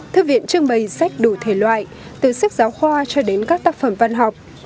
thư viện trưng bày sách đủ thể loại từ sách giáo khoa cho đến các tác phẩm văn học